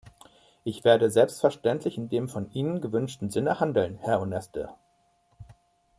Ich werde selbstverständlich in dem von Ihnen gewünschten Sinne handeln, Herr Onesta.